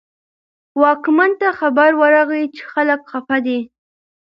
واکمن ته خبر ورغی چې خلک خپه دي.